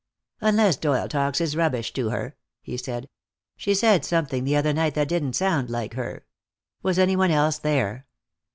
"Unless Doyle talks his rubbish to her," he said. "She said something the other night that didn't sound like her. Was any one else there?"